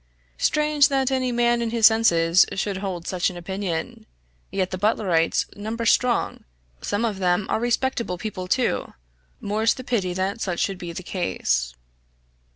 Strange that any man in his senses should hold such an opinion yet the Butlerites number strong, some of them are respectable people, too; more's the pity that such should be the case.